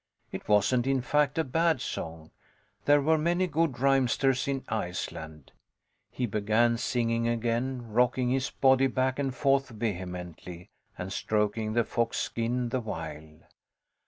It wasn't, in fact, a bad song. There were many good rhymesters in Iceland. He began singing again, rocking his body back and forth vehemently, and stroking the fox skin the while.